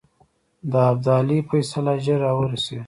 د ابدالي فیصله ژر را ورسېږي.